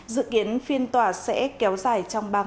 dự kiến phiên tòa sẽ kéo dài